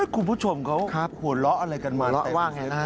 คุณผู้ชมเขาหัวเราะอะไรกันมาว่าไงนะฮะ